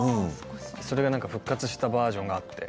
復活したバージョンがあって。